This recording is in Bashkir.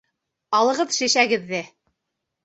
Алығыҙ шешәгеҙҙе!